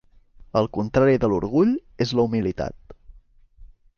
El contrari de l'orgull és la humilitat.